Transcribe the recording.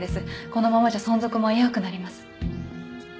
このままじゃ存続も危うくなります。